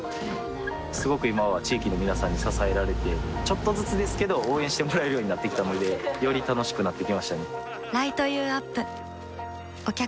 すごく今は地域の皆さんに支えられてちょっとずつですけど応援してもらえるようになってきたのでより楽しくなってきましたね